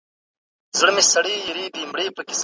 دا کیسه موږ ته د صبر او همت درس راکوي.